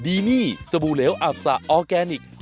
ดีนี่สบู่เหลวอับสะออร์แกนิค